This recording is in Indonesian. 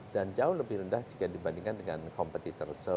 dan jauh lebih rendah jika dibandingkan dengan kompetitor